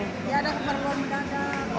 ya ada keperluan berada